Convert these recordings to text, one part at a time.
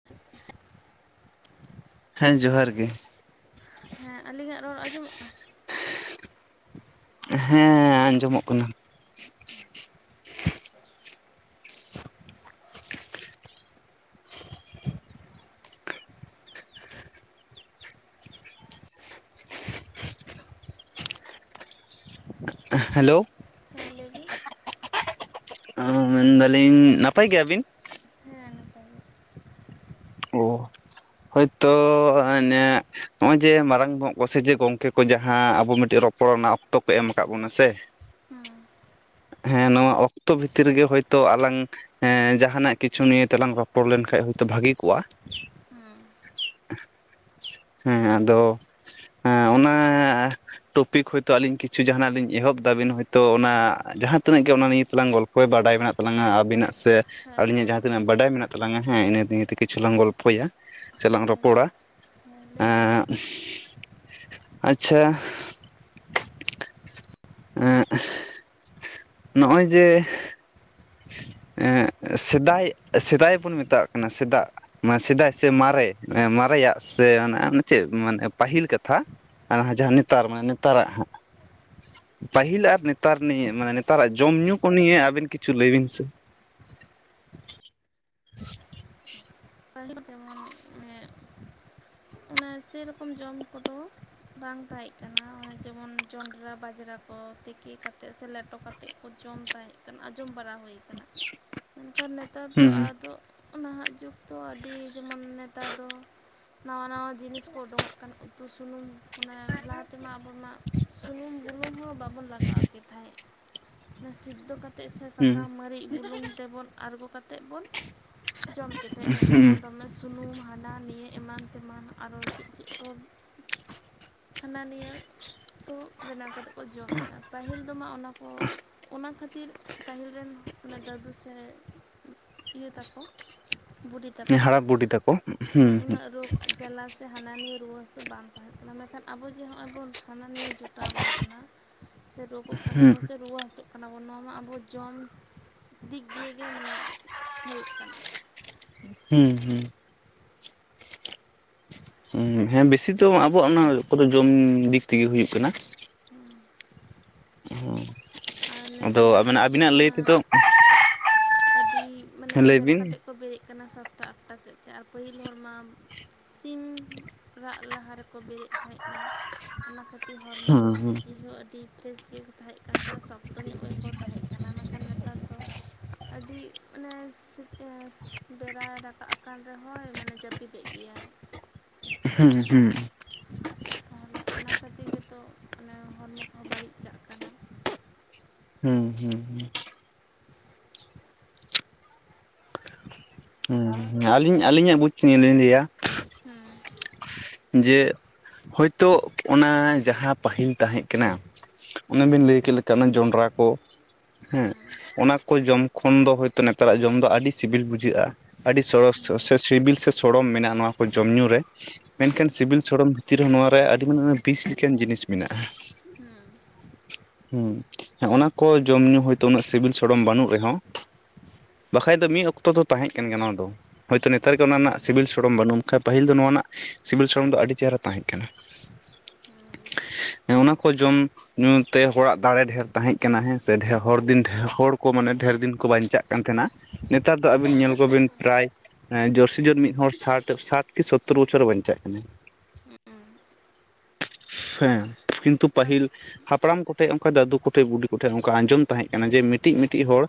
[unintelligible] ᱦᱮᱸ ᱡᱚᱦᱟᱨ ᱜᱮ᱾ ᱦᱮᱸ ᱟᱹᱞᱤᱧᱟᱜ ᱨᱚᱲ ᱟᱸᱡᱚᱢᱚᱜ ᱠᱟᱱᱟ? ᱦᱮᱸ ᱟᱸᱡᱚᱢᱚᱜ ᱠᱟᱱᱟ᱾ ᱦᱮᱞᱳ᱾ ᱦᱮᱸ ᱞᱟᱹᱭᱵᱤᱱ? ᱚᱻ ᱢᱮᱱᱫᱟᱞᱤᱧ ᱱᱟᱯᱟᱭ ᱜᱮᱭᱟᱵᱤᱱ? ᱦᱮᱸ ᱱᱟᱯᱟᱭ ᱜᱮ [unintelligible] ᱦᱳᱭᱛᱚ ᱢᱟᱱᱮ ᱱᱚᱜᱼᱚᱭ ᱡᱮ ᱢᱟᱨᱟᱝ ᱵᱚᱦᱚᱜ ᱠᱚ ᱥᱮ ᱡᱮ ᱜᱚᱝᱠᱮ ᱠᱚ ᱡᱟᱦᱟᱸ ᱟᱵᱚ ᱢᱤᱫᱴᱮᱱ ᱨᱚᱯᱚᱲ ᱨᱮᱱᱟᱜ ᱚᱠᱛᱚ ᱠᱚ ᱮᱢ ᱟᱠᱟᱫ ᱵᱚᱱᱟ ᱥᱮ᱾ ᱦᱮᱸ ᱦᱮᱸ ᱱᱚᱣᱟ ᱚᱠᱛᱚ ᱵᱷᱤᱛᱤᱨ ᱜᱮ ᱦᱳᱭᱛᱳ ᱟᱞᱟᱝ ᱦᱮᱸ ᱡᱟᱦᱟᱱᱟᱜ ᱠᱤᱪᱷᱩ ᱱᱤᱭᱟᱹ ᱛᱮᱞᱟᱝ ᱨᱚᱯᱚᱲ ᱞᱮᱱᱠᱷᱟᱡ ᱦᱚᱭᱛᱳ ᱵᱷᱟᱹᱜᱮ ᱠᱚᱜᱼᱟ᱾ ᱦᱮᱸ᱾ ᱦᱮᱸ ᱟᱫᱚ ᱦᱮᱸ ᱚᱱᱟ ᱴᱚᱯᱤᱠ ᱦᱳᱭᱛᱳ ᱟᱹᱞᱤᱧ ᱠᱤᱪᱷᱩ ᱡᱟᱦᱟᱸᱱᱟᱜ ᱞᱤᱧ ᱮᱦᱚᱵ ᱫᱟ ᱟᱵᱤᱱ ᱦᱚᱳᱭᱛᱳ ᱚᱱᱟ ᱡᱟᱦᱟᱸ ᱛᱤᱱᱟᱹᱜ ᱜᱮ ᱚᱱᱟ ᱱᱤᱭᱮ ᱛᱮᱞᱟᱝ ᱜᱚᱞᱯᱷᱚᱭ ᱵᱟᱰᱟᱭ ᱢᱮᱱᱟᱜ ᱛᱟᱞᱟᱝᱟ ᱟᱹᱵᱤᱱᱟᱜ ᱥᱮ ᱦᱮᱸ ᱟᱹᱞᱤᱧᱟᱜ ᱦᱮᱸ ᱡᱟᱦᱟᱸ ᱛᱤᱱᱟᱹᱜ ᱵᱟᱰᱟᱭ ᱢᱮᱱᱟᱜ ᱛᱟᱞᱟᱝ ᱦᱮᱸ ᱤᱱᱟᱹ ᱫᱤᱭᱮᱛᱮ ᱠᱤᱷᱩᱞᱟᱝ ᱜᱚᱞᱚ ᱯᱚᱭᱟ ᱥᱮ ᱞᱟᱝ ᱦᱮᱸ ᱨᱚᱯᱚᱲᱟ᱾ ᱦᱮᱸ ᱞᱟᱹᱭ ᱵᱤᱱ ᱮᱻ ᱟᱪᱪᱷᱟ ᱮᱜ ᱱᱚᱜᱼᱚᱭ ᱡᱮ ᱮᱜ ᱥᱮᱫᱟᱭ ᱥᱮᱫᱟᱭ ᱵᱚᱱ ᱢᱮᱛᱟᱜ ᱠᱟᱱᱟ ᱥᱮᱫᱟᱜ᱾ ᱢᱟᱱᱮ ᱥᱮᱫᱟᱭ ᱥᱮ ᱢᱟᱨᱮ ᱢᱟᱨᱮᱭᱟᱜ ᱥᱮ ᱚᱱᱟ ᱪᱮᱫ ᱢᱟᱱᱮ ᱯᱟᱹᱦᱤᱞ ᱠᱟᱛᱷᱟ᱾ ᱟᱨ ᱡᱟᱦᱟᱸ ᱱᱮᱛᱟᱨ ᱢᱟᱱᱮ ᱱᱮᱛᱟᱨᱟᱜ ᱦᱟᱸᱜ᱾ ᱯᱟᱹᱦᱤᱞ ᱟᱨ ᱱᱮᱛᱟᱨ ᱱᱤᱭᱮ ᱢᱟᱱᱮ ᱱᱮᱛᱟᱨᱟᱜ ᱡᱚᱢ ᱧᱩᱩ ᱠᱚ ᱱᱤᱭᱮ ᱟᱵᱤᱱ ᱠᱤᱪᱷᱩ ᱞᱟᱹᱭ ᱵᱤᱱ ᱥᱮ? ᱯᱟᱦᱤᱞ ᱡᱮᱢᱚᱱ ᱮᱜ ᱚᱱᱟ ᱥᱮᱨᱚᱠᱚᱢ ᱡᱚᱢ ᱠᱚᱫᱚ ᱵᱟᱝ ᱛᱟᱦᱮᱸ ᱠᱟᱱᱟ ᱚᱱᱮ ᱡᱮᱢᱚᱱ ᱡᱚᱱᱰᱨᱟ ᱵᱟᱡᱽᱨᱟ ᱠᱚ ᱛᱤᱠᱤ ᱠᱟᱛᱮᱫ ᱥᱮ ᱞᱮᱴᱚ ᱠᱟᱛᱮᱫ ᱠᱚ ᱡᱚᱢ ᱛᱟᱦᱮᱸᱫ ᱠᱟᱱᱟ ᱟᱸᱡᱚᱢ ᱵᱟᱲᱟ ᱦᱩᱭ ᱢᱮᱱᱠᱷᱟᱱ ᱱᱮᱛᱟᱨ ᱫᱚ ᱦᱩᱸ ᱦᱩᱸ ᱟᱫᱚ ᱱᱟᱦᱟᱜ ᱡᱩᱜᱽ ᱛᱚ ᱟᱹᱰᱤ ᱡᱮᱢᱚᱱ ᱱᱮᱛᱟᱨ ᱫᱚ ᱱᱟᱣᱟ ᱱᱟᱣᱟ ᱡᱤᱱᱤᱥ ᱠᱚ ᱩᱰᱩᱠᱚᱜ ᱠᱟᱱᱟ ᱩᱛᱩ ᱥᱩᱱᱩᱢ ᱚᱱᱟ ᱞᱟᱦᱟ ᱛᱮᱢᱟ ᱟᱵᱚ ᱢᱟ ᱥᱩᱱᱩᱢ ᱵᱩᱞᱩᱝ ᱦᱚᱸ ᱵᱟᱵᱚᱱ ᱞᱟᱜᱟᱣ ᱠᱮᱫ ᱛᱟᱦᱮᱸᱫ ᱥᱤᱫᱽᱫᱚ ᱠᱟᱛᱮᱫ ᱥᱮ ᱦᱩᱸ ᱥᱟᱥᱟᱝ ᱢᱟᱨᱤᱜ ᱵᱩᱞᱩᱝ ᱛᱮᱵᱚᱱ ᱟᱬᱜᱚ ᱠᱟᱛᱮᱫ ᱵᱚᱱ ᱡᱚᱢ ᱠᱮ ᱛᱟᱦᱮᱜ ᱱᱮᱛᱟᱨ ᱢᱟ ᱫᱚᱢᱮ ᱥᱩ ᱥᱩᱱᱩᱢ ᱦᱟᱱᱟ ᱱᱤᱭᱟᱹ ᱮᱢᱟᱱ ᱛᱮᱢᱟᱱ ᱟᱨᱚ ᱪᱮᱫ ᱪᱮᱫ ᱠᱚ ᱦᱟᱱᱟ ᱱᱤᱭᱟᱹ ᱠᱚ ᱵᱮᱱᱟᱣ ᱠᱟᱛᱮ ᱠᱚ ᱡᱚᱢᱮᱜᱼᱟ ᱯᱟᱹᱦᱤᱞ ᱛᱚᱢᱟ ᱚᱱᱟ ᱠᱚ ᱚᱱᱟ ᱠᱷᱟᱹᱛᱤᱨ ᱯᱟᱹᱦᱤᱞ ᱨᱮᱱ ᱢᱟᱱᱮ ᱫᱟᱫᱩ ᱥᱮ ᱤᱭᱟᱹ ᱛᱟᱠᱚ ᱵᱩᱰᱤ ᱦᱩᱸ ᱛᱟᱠᱚ ᱦᱟᱲᱟᱢ ᱵᱩᱰᱷᱤ ᱛᱟᱠᱚ ᱦᱮᱸ ᱦᱩᱸ ᱩᱱᱟᱹᱜ ᱨᱳᱜ ᱡᱟᱞᱟ ᱥᱮ ᱦᱟᱱᱟ ᱱᱤᱭᱟᱹ ᱨᱩᱣᱟᱹ ᱦᱟᱹᱥᱩ ᱵᱟᱝ ᱛᱟᱦᱮᱸ ᱠᱟᱱᱟ ᱢᱮᱱᱠᱷᱟᱱ ᱟᱵᱚ ᱡᱮ ᱱᱚᱜᱼᱚᱭ ᱵᱚᱱ ᱦᱟᱱᱟ ᱱᱤᱭᱟᱹ ᱡᱚᱴᱟᱣ ᱟᱵᱚᱱ ᱠᱟᱱᱟ ᱥᱮ ᱨᱩᱣᱚᱜ ᱦᱩᱸ ᱠᱟᱱᱟᱵᱚᱱ ᱥᱮ ᱨᱩᱣᱟᱹ ᱦᱟᱹᱥᱩᱜ ᱠᱟᱱᱟ ᱵᱚᱱ ᱱᱚᱣᱟ ᱢᱟ ᱟᱵᱚ ᱡᱚᱢ ᱫᱤᱠ ᱫᱤᱭᱮ ᱜᱮ ᱢᱟᱱᱮ ᱦᱩᱭᱩᱜ ᱠᱟᱱᱟ᱾ ᱦᱩᱸ ᱦᱩᱸ ᱦᱩᱸ ᱦᱮᱸ ᱵᱮᱥᱤ ᱫᱚᱚ ᱟᱵᱚᱣᱟᱜ ᱚᱱᱟ ᱠᱚᱫᱚ ᱡᱚᱢ ᱫᱤᱠ ᱛᱮᱜᱮ ᱦᱩᱭᱩᱜ ᱠᱟᱱᱟ᱾ ᱦᱩᱸ ᱟᱨ ᱱᱮᱛᱟᱨ ᱱᱟᱦᱟᱜ ᱡᱩᱜᱽ ᱢᱟ ᱛᱮᱫᱚ ᱟᱹᱰᱤ ᱢᱟᱱᱮ ᱞᱟᱹᱭ ᱵᱮᱲᱟ ᱵᱤᱱ ᱠᱟᱛᱮᱫ ᱠᱚ ᱵᱮᱨᱮᱫ ᱠᱟᱱᱟ ᱥᱟᱛᱴᱟ ᱟᱴ ᱴᱟ ᱥᱮᱫ ᱛᱮ ᱟᱨ ᱯᱟᱹᱦᱤᱞ ᱦᱚᱲᱢᱟ ᱥᱤᱢ ᱨᱟᱜ ᱞᱟᱦᱟ ᱨᱮᱠᱚ ᱵᱮᱨᱮᱫ ᱛᱟᱦᱮᱸᱫᱱᱟ ᱻ ᱠᱤ ᱦᱚᱲᱢᱚ ᱢᱚᱱᱮ ᱡᱤᱣᱤ ᱦᱚᱸ ᱟᱹᱰᱤ ᱯᱷᱨᱮᱥ ᱜᱮᱠᱚ ᱛᱟᱦᱮᱸᱜ ᱠᱟᱱ ᱛᱚ ᱥᱚᱠᱛᱚ ᱧᱚᱜ ᱜᱮᱠᱚ ᱛᱟᱦᱮᱸ ᱠᱟᱱᱟ ᱢᱮᱱᱠᱷᱟᱱ ᱱᱮᱛᱟᱨ ᱫᱚ ᱟᱹᱰᱤ ᱢᱟᱱᱮ ᱪᱮᱫᱠᱟ ᱵᱮᱲᱟᱭ ᱨᱟᱠᱟᱵ ᱟᱠᱟᱱ ᱨᱮᱦᱚᱸᱭ ᱢᱟᱱᱮ ᱡᱟᱹᱯᱤᱫᱮᱜ ᱜᱮᱭᱟᱭ ᱦᱩᱸ ᱦᱩᱸ ᱛᱟᱦᱚᱞᱮ ᱚᱱᱟ ᱠᱷᱟᱹᱛᱤᱨ ᱜᱮᱛᱚ ᱚᱱᱮ ᱦᱚᱲᱢᱚ ᱠᱚᱦᱚᱸ ᱵᱟᱹᱲᱤᱡ ᱪᱟᱜ ᱠᱟᱱᱟ ᱦᱩᱸ ᱦᱩᱸ ᱦᱩᱸ ᱻ ᱟᱹᱞᱤᱧ ᱟᱹᱞᱤᱧᱟᱜ ᱵᱩᱡᱽ ᱛᱮ ᱞᱤᱧ ᱞᱟᱹᱭᱟ ᱦᱩᱸ ᱡᱮ ᱛᱚᱜ ᱚᱱᱟ ᱡᱟᱦᱟᱸ ᱯᱟᱹᱦᱤᱞ ᱛᱟᱦᱮᱸ ᱠᱟᱱᱟ ᱦᱩᱸ ᱚᱱᱟᱵᱤᱱ ᱞᱟᱹᱭ ᱠᱮᱫ ᱞᱮᱠᱟ ᱡᱚᱱᱰᱨᱟ ᱠᱚ ᱦᱩᱸ ᱚᱱᱟᱠᱚ ᱡᱚᱢ ᱠᱷᱚᱱ ᱫᱚ ᱦᱳᱭᱛᱳ ᱱᱮᱛᱟᱨᱟᱜ ᱡᱚᱢ ᱫᱚ ᱟᱹᱰᱤ ᱥᱤᱵᱤᱞ ᱵᱩᱡᱷᱟᱹᱜᱼᱟ ᱟᱹᱰᱤ ᱥᱚᱨᱚᱲ ᱦᱩᱸ ᱥᱤᱵᱤᱞ ᱥᱮ ᱥᱚᱲᱚᱢ ᱢᱮᱱᱟᱜᱼᱟ ᱱᱚᱣᱟ ᱠᱚ ᱡᱚᱢ ᱧᱩ ᱨᱮ ᱦᱩᱸ ᱢᱮᱱᱠᱷᱟᱱ ᱥᱤᱵᱤᱞ ᱥᱚᱲᱚᱢ ᱵᱷᱤᱛᱤᱨ ᱨᱮ ᱦᱚᱸ ᱱᱚᱣᱟ ᱨᱮ ᱟᱹᱰᱤ ᱢᱟᱨ᱾ᱟᱱ ᱵᱤᱥ ᱞᱮᱠᱟᱱ ᱡᱤᱱᱤᱥ ᱢᱮᱱᱟᱜᱼᱟ ᱦᱩᱸ ᱦᱩᱸ ᱦᱮᱸ ᱚᱱᱟ ᱠᱚ ᱡᱚᱢ ᱧᱩ ᱦᱳᱭᱛᱳ ᱩᱱᱟᱹᱜ ᱥᱤᱵᱤᱞ ᱥᱚᱲᱚᱢ ᱵᱟᱹᱱᱩᱜ ᱨᱮᱦᱚᱸ ᱵᱟᱠᱟᱡ ᱫᱚ ᱢᱤᱫ ᱚᱠᱛᱚ ᱫᱚ ᱛᱟᱦᱮᱸ ᱠᱟᱱ ᱜᱮᱭᱟ ᱱᱚᱣᱟ ᱫᱚ ᱦᱳᱭᱛᱳ ᱱᱮᱛᱟᱨ ᱜᱮ ᱚᱱᱟ ᱨᱮᱱᱟᱜ ᱦᱩᱸ ᱥᱤᱵᱤᱞ ᱥᱚᱲᱚᱢ ᱵᱟᱹᱱᱩᱜ ᱠᱷᱟᱱ ᱯᱟᱹᱦᱤᱞ ᱫᱚ ᱱᱚᱣᱟ ᱨᱮᱱᱟᱜ ᱥᱤᱵᱤᱞ ᱥᱚᱲᱚᱢ ᱫᱚ ᱟᱹᱰᱤ ᱪᱮᱦᱨᱟ ᱛᱟᱦᱮᱸ ᱠᱟᱱᱟ ᱦᱩ ᱮ ᱚᱱᱟ ᱠᱚ ᱡᱚᱢ ᱧᱩ ᱛᱮ ᱦᱚᱲᱟᱜ ᱫᱟᱲᱮ ᱰᱷᱮᱨ ᱛᱟᱦᱮᱡ ᱠᱟᱱᱟ ᱦᱮᱥᱮ ᱴᱷᱮ ᱦᱚᱲ ᱫᱤᱱ ᱦᱚᱲ ᱠᱚ ᱢᱟᱱᱮ ᱴᱷᱮᱱ ᱫᱤᱱ ᱠᱚ ᱵᱟᱱᱪᱟᱣ ᱠᱟᱱ ᱛᱟᱦᱮᱱᱟ ᱱᱮᱛᱟᱨ ᱫᱚ ᱟᱹᱵᱤᱱ ᱧᱮᱞ ᱠᱚᱵᱤᱱ ᱯᱨᱟᱭ ᱡᱳᱨᱥᱤ ᱡᱳᱨ ᱢᱤᱫ ᱦᱚᱲ ᱥᱟᱴ ᱥᱟᱴ ᱠᱮ ᱥᱳᱛᱳᱨ ᱵᱚᱪᱷᱚᱨ ᱵᱟᱧᱪᱟᱜ ᱠᱟᱱᱟ᱾ ᱟᱨ ᱦᱮᱸ ᱠᱤᱱᱛᱩ ᱯᱟᱹᱦᱤᱞ ᱦᱟᱯᱲᱟᱢ ᱠᱚᱴᱮᱡ ᱚᱱᱠᱟ ᱫᱟᱹᱫᱩ, ᱠᱚᱴᱷᱮᱡ ᱵᱩᱰᱤ ᱠᱚᱴᱷᱮᱱ ᱱᱚᱝᱠᱟ ᱟᱸᱡᱚᱢ ᱛᱟᱦᱮᱸ ᱠᱟᱱᱟ ᱡᱮ ᱢᱤᱫᱴᱤᱡ ᱢᱤᱫᱴᱤᱡ ᱦᱚᱲ᱾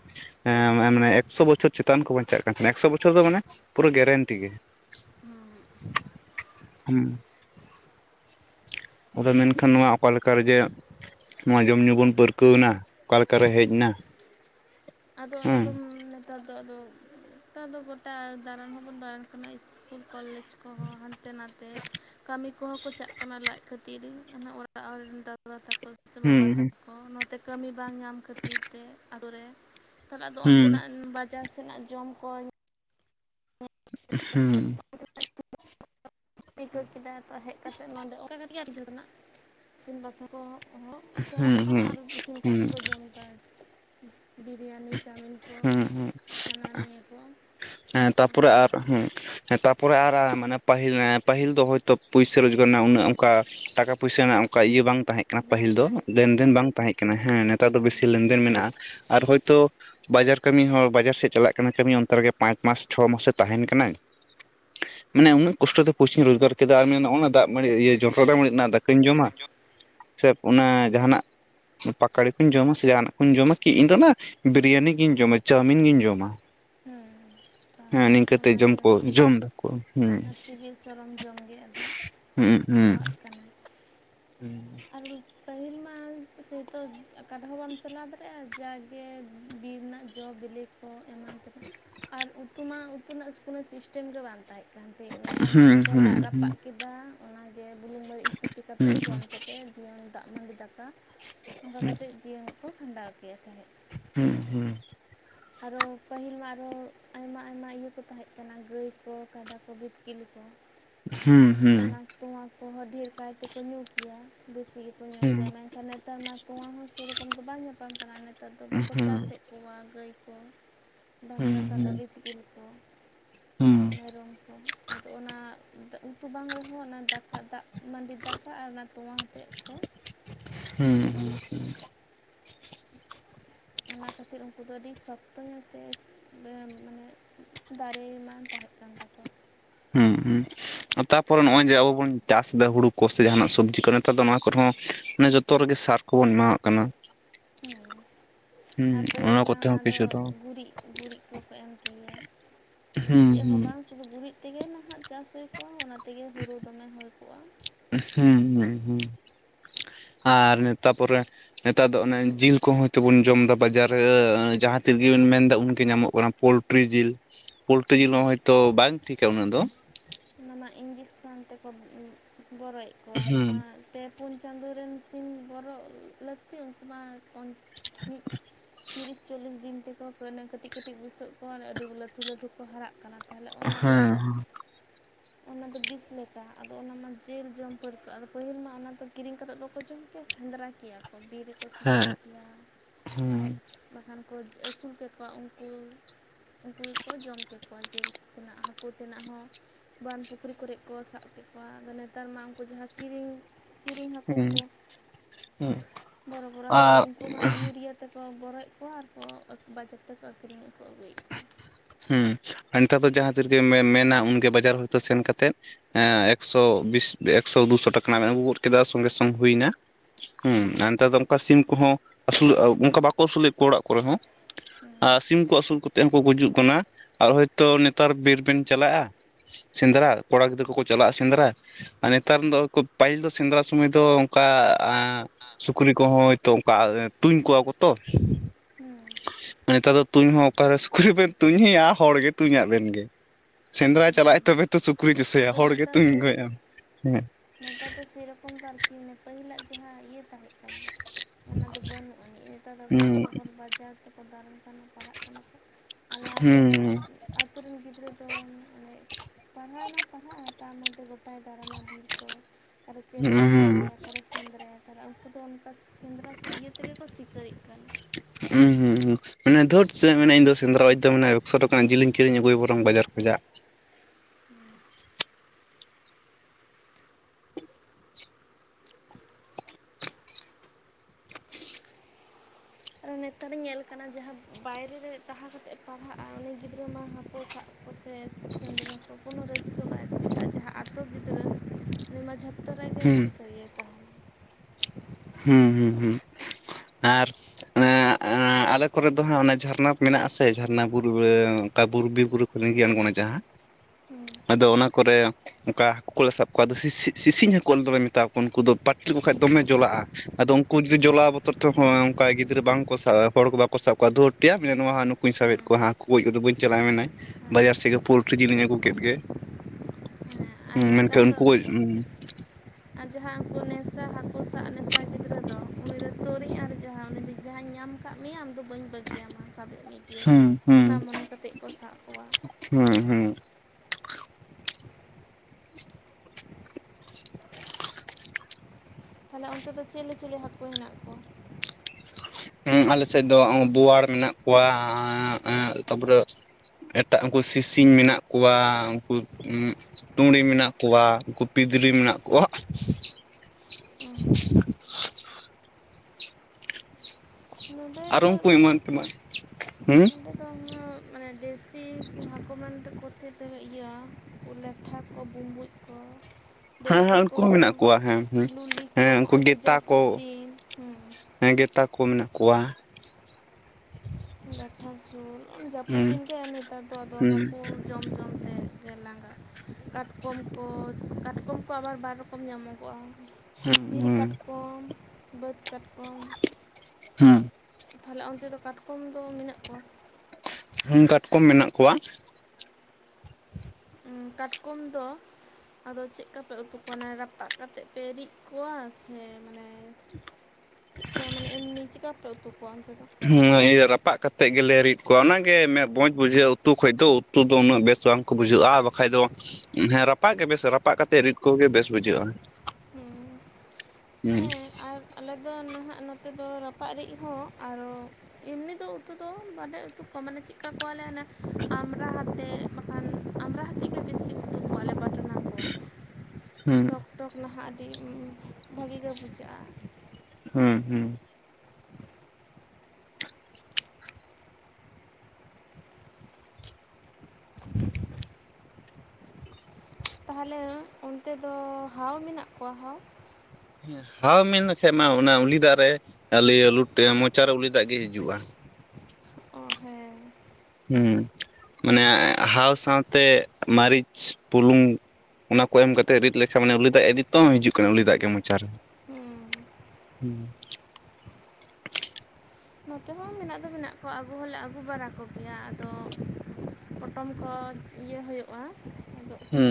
ᱢᱟᱱᱮ ᱮᱠᱥᱚ ᱵᱚᱪᱷᱚᱨ ᱪᱮᱛᱟᱱ ᱠᱚ ᱵᱟᱧᱪᱟᱜ ᱠᱟᱱ ᱛᱟᱦᱮᱸᱱᱟ ᱮᱠᱥᱚ ᱵᱚᱪᱷᱚᱨ ᱫᱚ ᱢᱟᱱᱮ ᱯᱩᱨᱟᱹ ᱜᱮᱨᱮᱱᱴᱤ ᱜᱮ᱾ [unintelligible] ᱦᱩᱸ, ᱟᱫᱚ ᱢᱮᱱᱠᱷᱟᱱ ᱱᱚᱣᱟ ᱚᱠᱟ ᱞᱮᱠᱟ ᱨᱮ ᱡᱮ, ᱱᱚᱣᱟ ᱡᱚᱢ ᱧᱩ ᱵᱚᱱ ᱯᱟᱹᱨᱠᱟᱹᱣ ᱮᱱᱟ ᱚᱠᱟ ᱞᱮᱠᱟ ᱨᱮ ᱦᱮᱡ ᱮᱱᱟ? ᱟᱫᱚ ᱚᱱᱟ ᱦᱮᱸ ᱫᱚ ᱱᱮᱛᱟᱨ ᱫᱚ ᱟᱫᱚ ᱱᱮᱛᱟᱨ ᱫᱚ ᱜᱚᱴᱟ ᱫᱟᱬᱟᱱ ᱦᱚᱸᱵᱚᱱ ᱫᱟᱬᱟᱱ ᱠᱟᱱᱟ᱾ ᱥᱠᱩᱞ ᱠᱚᱞᱮᱡᱽ ᱠᱚᱦᱚᱸ ᱦᱟᱱᱛᱮ ᱱᱟᱛᱮ ᱠᱟᱹᱢᱤ ᱠᱚᱦᱚᱸ ᱠᱚ ᱪᱟᱜ ᱠᱟᱱᱟ ᱞᱟᱡ ᱠᱷᱟᱹᱛᱤᱨ ᱚᱲᱟᱜ ᱨᱮᱱ ᱫᱟᱫᱟ ᱛᱟᱠᱚ ᱥᱮ ᱦᱩᱸ ᱵᱟᱵᱟ ᱛᱟᱠᱚ᱾ ᱱᱚᱛᱮ ᱠᱟᱹᱢᱤ ᱵᱟᱝ ᱧᱟᱢ ᱠᱷᱟᱹᱛᱤᱨ ᱛᱮ ᱟᱛᱳ ᱨᱮ, ᱛᱟᱦᱚᱞᱮ ᱟᱫᱚ ᱦᱩᱸ ᱚᱱᱛᱮᱱᱟᱜ ᱵᱟᱡᱟᱨ ᱥᱮᱱᱟᱜ ᱡᱚᱢ ᱠᱚ, ᱦᱩᱸ, ᱨᱤᱠᱟᱹ ᱠᱮᱫᱟᱭ ᱛᱚ ᱦᱮᱡ ᱠᱟᱛᱮᱫ ᱱᱚᱰᱮ ᱚᱠᱟ ᱠᱟᱛᱮ ᱯᱤᱡᱟᱹᱱᱟᱜ ᱤᱥᱤᱱ ᱵᱟᱥᱟᱝ ᱠᱚ, ᱚᱦᱚᱜ ᱥᱮᱬᱟᱜ ᱦᱩᱸ ᱦᱩᱸ ᱠᱟᱱᱟ ᱦᱩᱸ ᱟᱨ ᱤᱥᱤᱱ ᱠᱟᱛᱮᱫ ᱦᱩᱸ ᱠᱚ ᱡᱚᱢ ᱮᱫᱟ ᱵᱤᱨᱭᱟᱱᱤ᱾ ᱪᱟᱣᱢᱤᱱ ᱠᱚ ᱦᱩᱸ ᱦᱩᱸ ᱦᱟᱱᱟ ᱱᱤᱭᱟᱹ ᱠᱚ᱾ ᱪᱮᱫ ᱦᱮᱸ ᱠᱚ ᱛᱟᱨᱯᱚᱨᱮ ᱟᱨ ᱦᱮᱸ, ᱦᱮᱸ ᱛᱟᱯᱚᱨᱮ ᱟᱨ ᱢᱟᱱᱮ ᱯᱟᱹᱦᱤᱞ ᱯᱟᱹᱦᱤᱞ ᱫᱚ ᱦᱳᱭᱛᱳ ᱯᱩᱭᱥᱟᱹ ᱨᱳᱡᱽᱜᱟᱨ ᱮᱱᱟ ᱩᱱᱟᱹᱜ ᱚᱱᱠᱟ ᱴᱟᱠᱟ ᱯᱚᱭᱥᱟ ᱨᱮᱱᱟᱜ ᱚᱱᱠᱟ ᱤᱭᱟᱹ ᱵᱟᱝ ᱛᱟᱦᱮᱸ ᱠᱟᱱᱟ ᱵᱟᱝ ᱯᱟᱹᱦᱤᱞ ᱫᱚ ᱛᱟᱦᱮᱸ ᱞᱮᱱ ᱠᱟᱱᱟ ᱫᱮᱱ ᱵᱟᱝ ᱛᱟᱦᱮᱸ ᱠᱟᱱᱟ ᱦᱮᱸ ᱱᱮᱛᱟᱨ ᱫᱚ ᱦᱮᱸ ᱵᱮᱥᱤ ᱞᱮᱱᱫᱮᱱ ᱢᱮᱱᱟᱜᱼᱟ ᱟᱨ ᱦᱚᱭᱛᱳ, ᱵᱟᱡᱟᱨ ᱠᱟᱹᱢᱤ ᱦᱚᱸ ᱵᱟᱡᱟᱨ ᱥᱮᱫ ᱪᱟᱞᱟᱜ ᱠᱟᱱᱟ ᱠᱟᱹᱢᱤ ᱚᱱᱛᱮ ᱨᱮᱜᱮ ᱯᱟᱸᱪ ᱢᱟᱥ ᱪᱷᱚ ᱢᱟᱥᱮᱭ ᱛᱟᱦᱮᱸᱱ ᱠᱟᱱᱟᱭ᱾ ᱢᱟᱱᱮ ᱩᱱᱟᱹᱜ ᱠᱚᱥᱴᱚ ᱛᱮ ᱯᱚᱭᱥᱟᱧ ᱨᱡᱽᱜᱟᱨ ᱠᱮᱫᱟ ᱟᱨ ᱚᱱᱟ ᱫᱟᱜ ᱢᱟᱱᱮ ᱤᱭᱟᱹ ᱡᱚᱱᱰᱨᱟ ᱢᱟᱰᱤ ᱨᱮᱱᱟᱜ ᱫᱟᱠᱟᱧ ᱡᱚᱢᱟ ᱥᱮ ᱚᱱᱟ ᱡᱟᱦᱟᱱᱟᱜ, ᱯᱟᱠᱟᱲᱤ ᱠᱚᱧ ᱡᱚᱢᱟ ᱥᱮ ᱡᱟᱦᱟᱱᱟᱜ ᱠᱩᱧ ᱡᱚᱢᱟ ᱠᱤ ᱤᱧ ᱫᱚ ᱚᱱᱟ ᱵᱤᱨᱤᱭᱟᱱᱤ ᱜᱤᱧ ᱡᱚᱢᱟ ᱪᱟᱣᱢᱤᱱ ᱜᱤᱧ ᱡᱚᱢᱟ᱾ ᱦᱮᱸ ᱛᱟᱦᱚᱞᱮ ᱦᱮᱸ ᱟᱫᱚ ᱚᱱᱟ ᱱᱤᱝᱠᱟᱹᱛᱮ ᱡᱚᱢ ᱜᱮ, ᱠᱚ ᱡᱚᱢ ᱫᱟᱠᱩ ᱦᱩᱸ, ᱟᱨ ᱥᱤᱵᱤᱞ ᱥᱚᱨᱚᱢ ᱡᱚᱢ ᱜᱮ ᱟᱫᱚ ᱦᱩᱸ ᱦᱮᱣᱟᱜ ᱠᱟᱱᱟ᱾ ᱟᱞᱩ ᱯᱟᱹᱦᱤᱞ ᱢᱟ ᱥᱮᱭᱛᱚ ᱟᱠᱟᱛᱮᱦᱚ ᱵᱟᱢ ᱪᱟᱞᱟᱣ ᱫᱟᱨᱮᱜᱼᱟ ᱡᱟᱜᱮ ᱵᱤᱨ ᱨᱮᱱᱟᱜ ᱡᱚ ᱵᱤᱞᱤ, ᱠᱚ ᱮᱢᱟᱱ ᱛᱮᱱᱟᱜ ᱟᱨ ᱩᱛᱩᱢᱟ ᱩᱛᱩ ᱨᱮᱱᱟᱜ ᱠᱳᱱᱳ ᱥᱤᱥᱴᱮᱢ ᱜᱮ ᱵᱟᱝ ᱛᱟᱸᱦᱮᱜ ᱠᱟᱱᱛᱮ ᱡᱟᱦᱟᱱᱟᱜ ᱜᱮᱠᱚ ᱞᱟᱜ ᱨᱟᱯᱟᱜ ᱠᱮᱫᱟ ᱚᱱᱟᱜᱮ ᱵᱩᱞᱩᱝ ᱵᱟᱹᱲᱤᱡ ᱥᱤᱯᱤ ᱠᱟᱛᱮ ᱮ ᱡᱚᱢ ᱠᱮᱫ ᱛᱮ ᱡᱤᱭᱚᱱ ᱫᱟᱜ ᱢᱟᱹᱰᱤ ᱫᱟᱠᱟ ᱚᱱᱠᱟ ᱠᱟᱛᱮᱫ ᱡᱤᱭᱚᱱ ᱠᱚ ᱠᱷᱟᱸᱰᱟᱣ ᱠᱮᱟ ᱛᱟᱦᱮᱸᱫ᱾ ᱦᱩᱸ ᱦᱩᱸ, ᱟᱨᱚ ᱯᱟᱹᱦᱤᱞ ᱢᱟ ᱟᱨᱚ ᱟᱭᱢᱟ ᱟᱭᱢᱟ ᱤᱭᱟᱹ ᱠᱚ ᱛᱟᱦᱮᱸ ᱠᱟᱱᱟ ᱜᱟᱹᱭ ᱠᱚ ᱠᱟᱰᱟ ᱠᱚ ᱵᱤᱛᱠᱤᱞ ᱠᱚ᱾ ᱦᱩᱸ ᱦᱩᱸ, ᱚᱱᱟ ᱛᱚᱣᱟ ᱠᱚᱦᱚᱸ ᱰᱷᱮᱨ ᱠᱟᱭᱛᱮᱠᱚ ᱧᱩ ᱠᱮᱭᱟ ᱵᱮᱥᱤ ᱜᱮᱠᱚ ᱧᱩ ᱠᱮᱭᱟ ᱢᱮᱱᱠᱷᱟᱱ ᱱᱮᱛᱟᱨ ᱢᱟ, ᱛᱚᱸᱣᱟ ᱦᱚᱸ ᱥᱮᱨᱚᱠᱚᱢ ᱫᱚ ᱵᱟᱝ ᱧᱟᱯᱟᱢ ᱠᱟᱱᱟ ᱱᱮᱛᱟᱨ ᱫᱚ ᱵᱟᱠᱚ ᱪᱟᱥᱮᱫ ᱠᱚᱣᱟ ᱜᱟᱹᱭ ᱠᱚ᱾ ᱰᱟᱝᱨᱟ ᱠᱟᱰᱟ ᱵᱤᱛᱠᱤᱞ ᱠᱚ, ᱢᱮᱨᱚᱢ ᱠᱚ᱾ ᱟᱫᱚ ᱚᱱᱟ, [unintelligible] ᱩᱛᱩ ᱵᱟᱝ ᱨᱮᱦᱚᱸ ᱚᱱᱟ ᱫᱟᱠᱟ ᱫᱟᱜ ᱢᱟᱹᱰᱤ ᱫᱟᱠᱟ ᱟᱨ ᱚᱱᱟ ᱛᱚᱸᱣᱟ ᱦᱟᱛᱮᱫ ᱠᱚ, ᱦᱩᱸ ᱦᱩᱸ ᱦᱩᱸ, ᱚᱱᱟ ᱠᱷᱟᱹᱛᱤᱨ ᱩᱱᱠᱩ ᱫᱚ ᱟᱹᱰᱤ ᱥᱚᱠᱛᱚ ᱦᱮᱸ ᱥᱮ, [unintelligible] ᱢᱟᱱᱮ ᱫᱟᱨᱮ ᱮᱢᱟ ᱛᱟᱦᱮᱸᱜ ᱠᱟᱱ ᱛᱟᱠᱚᱣᱟ᱾ ᱦᱩᱸ ᱦᱩᱸ, ᱛᱟᱯᱚᱨᱮ ᱱᱚᱜᱼᱚᱭ ᱡᱮ ᱟᱵᱚ ᱵᱚᱱ ᱪᱟᱥ ᱮᱫᱟ ᱦᱩᱲᱩ ᱠᱚ ᱥᱮ ᱡᱟᱦᱟᱱᱟᱜ ᱥᱚᱵᱡᱤ ᱠᱚ ᱱᱮᱛᱟᱨ ᱫᱚ ᱱᱚᱣᱟ ᱠᱚᱨᱮ ᱦᱚᱸ ᱡᱚᱛᱚ ᱨᱮᱜᱮ ᱥᱟᱨ ᱠᱚᱵᱚᱱ ᱮᱢᱟᱣᱟᱜ ᱠᱟᱱᱟ᱾ ᱦᱮᱸ ᱟᱨ ᱯᱟᱹᱦᱤᱞ ᱢᱟ ᱠᱚᱛᱮ ᱦᱚᱸ ᱚᱱᱟ ᱫᱚ ᱠᱤᱪᱷᱩ ᱜᱩᱨᱤ ᱜᱩᱨᱤ ᱠᱚᱠᱚ ᱮᱢ ᱠᱮᱭᱟ ᱦᱩᱸ ᱦᱩᱸ ᱥᱩᱫᱩ ᱜᱩᱨᱤᱡ ᱛᱮᱜᱮ ᱱᱟᱦᱟᱜ ᱪᱟᱥ ᱦᱩᱭ ᱠᱚᱜᱼᱟ ᱚᱱᱟᱛᱮᱜᱮ ᱦᱩᱲᱩ ᱫᱚᱢᱮ ᱦᱩᱭ ᱠᱚᱜᱼᱟ ᱦᱩᱸ ᱦᱩᱸ ᱦᱩᱸ ᱟᱨ ᱛᱟᱯᱚᱨᱮ ᱱᱮᱛᱟᱨ ᱫᱚ ᱚᱱᱮ ᱡᱤᱞ ᱠᱚᱦᱚ ᱛᱚᱵᱚᱱ ᱡᱚᱢ ᱫᱟ ᱵᱟᱡᱟᱨ ᱨᱮ ᱡᱟᱦᱟᱸ ᱛᱤᱱᱨᱮᱜᱤᱵᱚᱱ ᱢᱮᱱᱫᱟ ᱩᱱᱜᱮ ᱧᱟᱢᱚᱜ ᱠᱟᱱᱟ ᱯᱳᱞ ᱯᱚᱞᱴᱨᱤᱡᱤᱞ ᱯᱳᱞᱴᱤ ᱡᱤᱞ ᱦᱚᱸ ᱦᱮᱸ ᱦᱚᱭᱛᱳ ᱵᱟᱝ ᱴᱷᱤᱠᱟ ᱩᱱᱟᱹᱜ ᱫᱚ ᱚᱱᱟ ᱢᱟ ᱤᱱᱡᱤᱠᱥᱮᱱ ᱛᱮᱠᱚ ᱵᱚᱨᱚᱭᱮᱫ ᱠᱚᱣᱟ ᱱᱟᱣᱟ ᱦᱩᱸ ᱢᱟ ᱯᱮ ᱯᱩᱱ ᱪᱟᱸᱫᱳ ᱨᱮᱱ ᱥᱤᱢ ᱵᱚᱨᱚᱜ ᱞᱟᱹᱠᱛᱤ ᱩᱱᱠᱩ ᱢᱟ ᱯᱳᱱ ᱢᱤᱫ ᱛᱤᱨᱤᱥ ᱪᱚᱞᱞᱤᱥ ᱫᱤᱱ ᱛᱮᱠᱚ ᱠᱟᱹᱱᱟ ᱠᱟᱹᱴᱤᱡ ᱠᱟᱹᱴᱤᱡ ᱵᱩᱥᱟᱹᱜ ᱠᱚ ᱟᱨ ᱟᱹᱰᱤ ᱞᱟᱹᱴᱩ ᱞᱟᱹᱴᱩ ᱠᱚ ᱦᱟᱨᱟᱜ ᱠᱟᱱᱟ ᱛᱟᱦᱚᱞᱮ ᱚᱱᱟ ᱦᱮᱸ ᱚᱱᱟᱫᱚ ᱵᱤᱥ ᱞᱮᱠᱟ ᱟᱫᱚ ᱚᱱᱟᱢᱟ ᱡᱤᱞ ᱡᱚᱢ ᱯᱟᱹᱨᱠᱟᱹ ᱟᱫᱚ ᱯᱟᱹᱦᱤᱞ ᱢᱟ ᱚᱱᱟᱫᱚ ᱠᱤᱨᱤᱧ ᱠᱟᱛᱮᱫ ᱫᱚ ᱵᱟᱠᱚ ᱡᱚᱢ ᱠᱮ ᱥᱮᱸᱫᱽᱨᱟ ᱠᱮᱭᱟ ᱠᱚ ᱵᱤᱨ ᱨᱮᱠᱚ ᱥᱮᱸᱫᱽᱨᱟ ᱦᱮᱸ ᱠᱮᱭᱟ ᱟᱨ ᱦᱩᱸ ᱵᱟᱠᱷᱟᱱ ᱠᱚ ᱟᱹᱥᱩᱞ ᱠᱮᱠᱚᱣᱟ ᱩᱱᱠᱩ ᱩᱱᱠᱩ ᱜᱮᱠᱚ ᱡᱚᱢ ᱠᱮᱠᱚᱣᱟ ᱡᱤᱞ ᱛᱮᱱᱟᱜ ᱦᱟᱹᱠᱩ ᱛᱮᱱᱟᱜ ᱦᱚᱸ ᱵᱟᱱ ᱯᱩᱠᱷᱨᱤ ᱠᱚᱨᱮ ᱠᱚ ᱥᱟᱵ ᱠᱮᱫ ᱠᱚᱣᱟ ᱟᱫᱚ ᱱᱮᱛᱟᱨ ᱢᱟ ᱩᱱᱠᱩ ᱡᱟᱦᱟᱸ ᱠᱤᱨᱤᱧ ᱠᱤᱨᱤᱧ ᱦᱟᱠᱩ ᱦᱩᱸ ᱠᱚ ᱦᱩᱸ ᱵᱚᱨ ᱵᱚᱨᱚ ᱦᱟᱠᱩ ᱟᱨ ᱩᱱᱠᱩ ᱢᱟ ᱤᱭᱩᱨᱤᱭᱟᱹ ᱛᱮᱠᱚ ᱵᱚᱨᱚᱡ ᱠᱚᱣᱟ ᱟᱨ ᱠᱚ ᱟᱠ ᱵᱟᱡᱟᱨ ᱛᱮᱠᱚ ᱟᱠᱷᱨᱤᱧᱮᱫ ᱠᱚ ᱟᱜᱩᱭᱮᱫ ᱠᱚᱣᱟ ᱦᱮᱸ ᱟᱨ ᱱᱮᱛᱟᱨ ᱫᱚ ᱡᱟᱦᱟᱸ ᱛᱤᱨᱜᱮ ᱢᱮ ᱢᱮᱱᱟ ᱩᱱᱜᱮ ᱵᱟᱡᱟᱨ ᱦᱚᱭᱛᱳ ᱥᱮᱱ ᱠᱟᱛᱮᱫ ᱮᱸ ᱮᱠᱥᱚ ᱵᱤᱥ ᱮᱠᱥᱚ ᱫᱩᱥᱚ ᱴᱟᱠᱟ ᱨᱮᱱᱟᱜ ᱮᱢ ᱟᱹᱜᱩ ᱜᱚᱫ ᱠᱮᱫᱟ ᱥᱚᱝᱜᱮ ᱥᱚᱝ ᱦᱩᱭᱮᱱᱟ ᱦᱩᱸ ᱟᱨ ᱱᱮᱛᱟᱨ ᱫᱚ ᱚᱱᱠᱟ ᱥᱤᱢ ᱠᱚᱦᱚᱸ ᱟᱹᱥᱩᱞᱟᱜ ᱚᱱᱠᱟ ᱵᱟᱠᱚ ᱟᱹᱥᱩᱞᱮᱫ ᱠᱚᱣᱟ ᱚᱲᱟᱜ ᱠᱚᱨᱮ ᱦᱚᱸ ᱟᱨ ᱦᱩᱸ ᱥᱤᱢ ᱠᱚ ᱟᱹᱥᱩᱞ ᱠᱟᱛᱮ ᱦᱚᱸᱠᱚ ᱜᱩᱡᱩᱜ ᱠᱟᱱᱟ ᱟᱨ ᱦᱚᱭᱛᱚ ᱱᱮᱛᱟᱨ ᱵᱤᱨ ᱵᱮᱱ ᱪᱟᱞᱟᱜᱼᱟ ᱥᱮᱸᱫᱽᱨᱟ ᱠᱚᱲᱟ ᱜᱤᱫᱟᱹᱨ ᱠᱚᱠᱚ ᱪᱟᱞᱟᱜᱼᱟ ᱥᱮᱸᱫᱽᱨᱟ ᱟᱨ ᱱᱮᱛᱟᱨ ᱫᱚ ᱚᱱᱠᱟ ᱯᱟᱹᱦᱤᱞ ᱫᱚ ᱥᱮᱸᱫᱽᱨᱟ ᱥᱚᱢᱚᱭ ᱫᱚ ᱚᱱᱠᱟ ᱟᱸ ᱥᱩᱠᱨᱤ ᱠᱚᱦᱚᱸ ᱦᱚᱭᱛᱚ ᱚᱱᱠᱟ ᱛᱩᱧ ᱠᱚᱣᱟ ᱠᱚ ᱛᱚ ᱱᱮᱛᱟᱨ ᱫᱚ ᱛᱩᱧ ᱦᱚᱸ ᱚᱠᱟᱨᱮ ᱥᱩᱠᱨᱤ ᱵᱮᱱ ᱛᱩᱧᱮᱭᱟ ᱦᱚᱲ ᱜᱮ ᱛᱩᱧᱟᱜ ᱵᱮᱱ ᱜᱮ ᱥᱮᱸᱫᱽᱨᱟ ᱪᱟᱞᱟᱜ ᱦᱩᱸ ᱛᱚᱵᱮ ᱛᱚ ᱥᱩᱠᱨᱤ ᱡᱚᱥᱮᱭᱟ ᱟᱫᱚ ᱦᱚᱲ ᱜᱮ ᱱᱮᱛᱟᱨ ᱛᱩᱧᱜᱚᱡ ᱮᱱᱜᱮ ᱦᱮᱸ ᱥᱮ ᱨᱚᱠᱚᱢ ᱫᱚ ᱟᱨᱠᱤ ᱯᱟᱹᱦᱤᱞᱟᱜ ᱡᱟᱦᱟᱸ ᱤᱭᱟᱹ ᱛᱟᱦᱮᱸ ᱠᱟᱱᱟ ᱚᱱᱟᱫᱚ ᱵᱟᱹᱱᱩᱜ ᱟᱹᱱᱤᱡ ᱱᱮᱛᱟᱨ ᱫᱚ ᱦᱩᱸ ᱥᱚᱦᱚᱨ ᱵᱟᱡᱟᱨ ᱛᱮᱠᱚ ᱫᱟᱬᱟᱱ ᱠᱟᱱᱟ ᱯᱟᱲᱦᱟᱜ ᱠᱟᱱᱟ ᱠᱚ ᱟᱨ ᱞᱟᱦᱟ ᱛᱮᱢᱟ ᱟᱛᱳ ᱨᱮᱱ ᱜᱤᱫᱽᱨᱟᱹ ᱫᱚ ᱯᱟᱲᱦᱟᱣ ᱢᱟ ᱯᱟᱲᱦᱟᱜᱼᱟ ᱛᱟᱨ ᱢᱚᱫᱽᱫᱷᱮ ᱜᱚᱴᱟᱭ ᱫᱟᱬᱟᱱᱟ ᱵᱤᱨ ᱠᱚ ᱟᱨᱮ ᱪᱮᱲᱮ ᱦᱩᱸ ᱴᱩᱴᱤᱭᱟ ᱥᱮᱸᱫᱽᱨᱟᱭᱟ ᱛᱟᱦᱚᱞᱮ ᱩᱱᱠᱩ ᱫᱚ ᱚᱱᱠᱟ ᱥᱮᱸᱫᱽᱨᱟ ᱤᱭᱟᱹ ᱛᱮᱜᱮ ᱠᱚ ᱥᱤᱠᱟᱹᱨᱤᱜ ᱠᱟᱱᱟ ᱦᱩᱸ ᱦᱩᱸ ᱦᱩᱸ ᱢᱟᱱᱮ ᱫᱷᱟᱹᱴ ᱪᱮᱫ ᱢᱮᱱᱟ ᱤᱧ ᱥᱮᱸᱫᱽᱨᱟ ᱫᱚ ᱢᱮᱱᱟ ᱮᱠᱥᱚ ᱴᱟᱠᱟ ᱡᱤᱞᱤᱧ ᱠᱤᱨᱤᱧ ᱟᱹᱜᱩᱭᱟ ᱯᱚᱨᱮ ᱵᱟᱡᱟᱨ ᱠᱷᱚᱱᱟᱜ ᱟᱨᱚ ᱱᱮᱛᱟᱨᱤᱧ ᱧᱮᱞ ᱟᱠᱟᱱᱟ ᱡᱟᱦᱟᱸ ᱵᱟᱭᱨᱮ ᱨᱮ ᱛᱟᱦᱮᱸ ᱠᱟᱛᱮᱫ ᱯᱟᱲᱦᱟᱜᱼᱟ ᱩᱱᱤ ᱜᱤᱫᱽᱨᱟᱹ ᱢᱟ ᱦᱟᱹᱠᱩ ᱥᱟᱵ ᱠᱚ ᱥᱮ ᱥᱮᱸᱫᱽᱨᱟ ᱠᱚ ᱠᱳᱱᱳ ᱨᱟᱹᱥᱠᱟᱹ ᱵᱟᱭ ᱮᱢ ᱠᱮᱫᱟ ᱡᱟᱦᱟᱸ ᱟᱛᱳ ᱜᱤᱫᱽᱨᱟᱹ ᱩᱱᱤ ᱢᱟ ᱡᱷᱚᱛᱛᱚ ᱨᱮ ᱦᱩᱸ ᱠᱚ ᱤᱭᱟᱹᱠᱟ [inaudible] ᱦᱩᱸ ᱦᱩᱸ ᱦᱩᱸ ᱟᱨ ᱟᱞᱮ ᱠᱚᱨᱮᱫ ᱫᱚ ᱦᱟᱸᱜ ᱚᱱᱟ ᱡᱷᱟᱨᱱᱟ ᱢᱮᱱᱟᱜᱼᱟ ᱥᱮ ᱡᱷᱟᱨᱱᱟ ᱵᱩᱨᱩ ᱚᱱᱠᱟ ᱵᱩᱨᱩ ᱵᱤᱨ ᱠᱚᱨᱮ ᱠᱚ ᱞᱤᱸᱜᱤ ᱟᱸᱬᱜᱚᱱᱟ ᱡᱟᱦᱟᱸ [inaudible] ᱟᱫᱚ ᱚᱱᱟ ᱠᱚᱨᱮ ᱚᱱᱠᱟ ᱦᱟᱹᱠᱩ ᱠᱚᱞᱮ ᱥᱟᱵ ᱠᱚᱣᱟ ᱟᱫᱚ ᱥᱤ ᱥᱤᱼᱥᱤᱝ ᱦᱟᱹᱠᱩ ᱟᱞᱮ ᱫᱚᱞᱮ ᱢᱮᱛᱟᱣ ᱠᱚᱣᱟ ᱩᱱᱠᱩ ᱫᱚ [unintelligible] ᱫᱚᱢᱮ ᱡᱚᱞᱟᱜᱼᱟ ᱾ ᱟᱫᱚ ᱩᱱᱠᱩ ᱡᱩᱫᱤ ᱡᱚᱞᱟ ᱵᱚᱛᱚᱨ ᱛᱮᱦᱚᱸ ᱚᱝᱠᱟ ᱜᱤᱫᱽᱨᱟᱹ ᱵᱟᱝ ᱠᱚ ᱥᱟᱜ ᱦᱚᱲ ᱠᱚ ᱵᱟᱠᱚ ᱥᱟᱵ ᱠᱚᱣᱟ [unintelligible] ᱠᱩᱧ ᱥᱟᱵᱮᱫ ᱠᱚᱣᱟ ᱦᱟᱠ ᱦᱟᱹᱠᱩ ᱜᱚᱡ ᱠᱚᱫᱚ ᱵᱟᱹᱧ ᱪᱟᱞᱟᱜᱼᱟ ᱢᱮᱱᱟᱭ ᱵᱟᱡᱟᱨ ᱦᱮᱸ ᱥᱮᱫ ᱜᱮ ᱯᱳᱞᱴᱨᱤ ᱡᱤᱞᱤᱧ ᱟᱹᱜᱩ ᱠᱮᱫ ᱜᱮ ᱾ [inaudible] ᱦᱮᱸ ᱟᱨ ᱱᱮᱛᱟᱨ ᱫᱚ [inaudible] ᱦᱩᱸ [inaudible] ᱟᱨ ᱡᱟᱦᱟᱸ ᱩᱱᱠᱩ ᱱᱮᱥᱟ ᱦᱟᱹᱠᱩ ᱥᱟᱜ ᱱᱮᱥᱟ ᱜᱤᱫᱽᱨᱟᱹ ᱫᱚ ᱩᱱᱤ ᱫᱚ ᱛᱩᱨᱤᱧ ᱟᱨ ᱡᱟᱦᱟᱸ ᱫᱚ ᱾ ᱡᱟᱦᱟᱸᱧ ᱧᱟᱢ ᱠᱟᱜ ᱢᱮᱭᱟ ᱟᱢᱫᱚ ᱵᱟᱹᱧ ᱵᱟᱹᱜᱤᱭᱟᱢ ᱥᱟᱵᱮᱫ ᱢᱮ ᱾ ᱤᱭᱟᱹ ᱦᱩᱸ ᱚᱱᱟ ᱢᱚᱱᱮ ᱠᱟᱛᱮᱜ ᱠᱚ ᱥᱟᱵ ᱠᱚᱣᱟ ᱾ ᱦᱩᱸ ᱦᱩᱸ, ᱛᱟᱦᱞᱮ ᱚᱱᱛᱮ ᱫᱚ ᱪᱤᱞᱮ ᱪᱤᱞᱤ ᱦᱟᱹᱠᱩ ᱦᱮᱱᱟᱜ ᱠᱚᱣᱟ? [inaudible] ᱟᱞᱮᱥᱮᱫ ᱫᱚ ᱵᱳᱣᱟᱲ ᱢᱮᱱᱟᱜ ᱠᱚᱣᱟ [inaudible] ᱛᱟᱯᱨᱳᱜ ᱾ ᱮᱴᱟᱜ ᱩᱱᱠᱩ ᱥᱤᱥᱤᱧ ᱢᱮᱱᱟᱜ ᱠᱚᱣᱟ ᱩᱱᱠᱩ [inaudible] ᱛᱩᱲᱤ ᱢᱮᱱᱟᱜ ᱠᱚᱣᱟ ᱩᱱᱠᱩ ᱯᱤᱯᱨᱤ ᱢᱮᱱᱟᱜ ᱠᱚᱣᱟ [inaudible] [inaudible] ᱱᱚᱸᱰᱮ ᱟᱨ ᱩᱱᱠᱩ ᱮᱢᱟᱱ ᱛᱮᱢᱟᱱ ᱦᱩᱸ ᱾ [inaudible] ᱚᱸᱰᱮ ᱫᱚ ᱢᱟᱱᱮ ᱫᱮᱥᱤ ᱦᱟᱹᱠᱳ ᱢᱮᱱᱛᱮ [unintelligible] ᱤᱭᱟᱹᱼᱟ ᱞᱮᱴᱷᱟ ᱠᱚ ᱵᱩᱸᱵᱩᱡ ᱾ ᱠᱚ ᱾ ᱦᱮᱸ ᱰᱟᱹᱲᱠᱟᱹ ᱦᱮᱸ ᱠᱚ ᱩᱱᱠᱩ ᱦᱚᱸ ᱢᱮᱱᱟᱜ ᱠᱚᱣᱟ ᱦᱮᱸ ᱦᱩᱸ ᱞᱩᱞᱤ ᱠᱚ ᱦᱮᱸ ᱩᱱᱠᱩ ᱦᱚᱜᱼᱚᱭ ᱡᱮ ᱜᱮᱛᱟ ᱡᱟᱹᱯᱩᱫ ᱠᱚ ᱫᱤᱱ ᱦᱩᱸ᱾ ᱦᱮᱸ ᱜᱮᱛᱟ ᱠᱚ ᱢᱮᱱᱟᱜ ᱠᱚᱣᱟ ᱾ ᱞᱮᱴᱷᱟ ᱥᱳᱞ ᱡᱟᱹᱯᱩᱫ ᱦᱩᱸ ᱫᱤᱱ ᱜᱮ ᱱᱮᱛᱟᱨ ᱫᱚ ᱟᱫᱚ ᱦᱩᱸ ᱦᱟᱹᱠᱩ ᱡᱚᱢ ᱡᱚᱢᱛᱮ ᱾ ᱜᱮ ᱞᱟᱸᱜᱟ ᱠᱟᱴᱠᱚᱢ ᱠᱚ ᱠᱟᱴᱠᱚᱢ ᱠᱚ ᱟᱵᱟᱨ ᱵᱟᱨ ᱨᱚᱠᱚᱢ ᱧᱟᱢᱚᱜᱚᱜᱼᱟ ᱾ ᱫᱷᱤᱨᱤ ᱦᱩᱸ ᱠᱟᱴᱠᱚᱢ ᱵᱟᱹᱫᱽ ᱠᱟᱴᱠᱚᱢ ᱾ ᱦᱩᱸ, ᱛᱷᱟᱞᱮ ᱚᱱᱛᱮ ᱫᱚ ᱠᱟᱴᱠᱚᱢ ᱫᱚ ᱢᱮᱱᱟᱜ ᱠᱚᱣᱟ? [inaudible] ᱠᱟᱴᱠᱚᱢ ᱢᱮᱱᱟᱜ ᱠᱚᱣᱟ ᱾ ᱩᱸ ᱠᱟᱴᱠᱚᱢ ᱫᱚ ᱟᱫᱚ ᱪᱮᱜᱠᱟ ᱯᱮ ᱩᱛᱩ ᱠᱚ ᱚᱱᱮ ᱨᱟᱯᱟᱜ ᱠᱟᱛᱮᱜ ᱯᱮ ᱨᱤᱫ ᱠᱚ ᱾ ᱠᱚᱣᱟ ᱥᱮ ᱢᱟᱱᱮ ᱪᱮᱜᱠᱟ ᱢᱟᱱᱮ ᱮᱢᱱᱤ ᱪᱮᱠᱟᱯᱮ ᱩᱛᱩ ᱠᱚᱣᱟ ᱚᱱᱛᱮ ᱫᱚ? [inaudible] ᱤᱭᱟᱹ ᱨᱟᱯᱟᱜ ᱠᱟᱛᱮᱫ ᱜᱮᱞᱮ ᱨᱤᱫ ᱠᱚᱣᱟ ᱚᱱᱟᱜᱮ ᱢᱮᱜ ᱵᱚᱡᱽ ᱵᱩᱡᱷᱟᱹᱜ ᱩᱛᱩ ᱠᱷᱚᱡ ᱫᱚ ᱾ ᱛᱩ ᱫᱚ ᱩᱱᱟᱹᱜ ᱵᱮᱥ ᱵᱟᱝᱠᱚ ᱵᱩᱡᱷᱟᱹᱜᱼᱟ ᱵᱟᱠᱷᱟᱡ ᱫᱚ ᱦᱮᱸ ᱨᱟᱯᱟᱜ ᱜᱮ ᱵᱮᱥᱟ ᱨᱟᱯᱟᱜ ᱠᱟᱛᱮᱜ ᱨᱤᱫ ᱠᱚᱜᱮ ᱵᱮᱥ ᱵᱩᱡᱷᱟᱹᱜᱼᱟ ᱾ ᱦᱩᱸ ᱦᱮᱸ ᱟᱨ ᱟᱞᱮ ᱫᱚ ᱱᱟᱦᱟᱜ ᱱᱚᱛᱮ ᱫᱚ ᱨᱟᱯᱟᱜ ᱨᱤᱫ ᱦᱚᱸ ᱟᱨᱚ ᱮᱢᱱᱤ ᱫᱚ ᱩᱛᱩ ᱫᱚ ᱵᱟᱰᱮ ᱩᱛᱩ ᱠᱚ ᱢᱟᱱᱮ ᱪᱤᱜᱠᱟ ᱠᱚᱣᱟᱞᱮ ᱟᱱᱮ ᱟᱢᱲᱟ ᱦᱟᱛᱮᱡ ᱾ ᱵᱟᱠᱷᱟᱱ ᱟᱢᱲᱟ ᱦᱟᱛᱮᱜ ᱜᱮ ᱵᱮᱥᱤ ᱩᱛᱩ ᱠᱚᱣᱟᱞᱮ ᱾ [inaudible] ᱦᱩᱸ, ᱴᱚᱠ ᱱᱟᱦᱟᱜ ᱟᱹᱰᱤ ᱵᱷᱟᱹᱜᱤ ᱜᱮ ᱵᱩᱡᱷᱟᱹᱜᱼᱟ ᱾ ᱦᱩᱸ ᱦᱩᱸ ᱾ [inaudible] ᱛᱟᱦᱟᱞᱮ ᱚᱱᱛᱮ ᱫᱚ ᱦᱟᱣ ᱢᱮᱱᱟᱜ ᱠᱚᱣᱟ ᱦᱟᱣ? ᱦᱮᱸ ᱦᱟᱣ ᱢᱮᱱ ᱞᱮᱠᱷᱟᱡ ᱢᱟ ᱚᱱᱟ ᱩᱞᱤ ᱫᱟᱜ ᱨᱮ ᱞᱮᱭᱳ ᱞᱩᱴ ᱢᱚᱪᱟᱨᱮ ᱩᱞᱤ ᱫᱟᱜ ᱜᱮ ᱦᱤᱡᱩᱜᱼᱟ ᱾ ᱚ ᱦᱮᱸ ᱦᱩᱸ ᱢᱟᱱᱮ ᱦᱟᱣ ᱥᱟᱶᱛᱮ ᱢᱟᱹᱨᱤᱪ, ᱯᱩᱞᱩᱝ ᱚᱱᱟ ᱠᱚ ᱮᱢ ᱠᱟᱛᱮᱫ ᱨᱤᱫ ᱞᱮᱠᱷᱟ ᱢᱟᱱᱮ ᱩᱞᱤ ᱫᱟᱜ ᱮᱰᱤᱛᱚ ᱦᱤᱡᱩᱜ ᱠᱟᱱᱟ ᱩᱞᱤ ᱫᱟᱜ ᱜᱮ ᱢᱚᱪᱟᱨᱮ ᱦᱩᱸ ᱾ ᱦᱩᱸ, ᱱᱚᱛᱮ ᱦᱚᱸ ᱢᱮᱱᱟᱜ ᱫᱚ ᱢᱮᱱᱟᱜ ᱠᱚᱣᱟ ᱟᱹᱜᱩ ᱦᱚᱸᱞᱮ ᱟᱹᱜᱩ ᱵᱟᱲᱟ ᱠᱚᱜᱮᱭᱟ ᱟᱫᱚ ᱾ ᱯᱚᱴᱚᱢ ᱠᱚ ᱤᱭᱟᱹ ᱦᱩᱭᱩᱜᱼᱟ ᱟᱫᱚ ᱦᱩᱸ